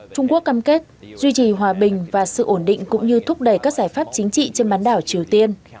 trung quốc cam kết duy trì hòa bình và sự ổn định cũng như thúc đẩy các giải pháp chính trị trên bán đảo triều tiên